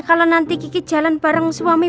kalau nanti gigi jalan bareng suami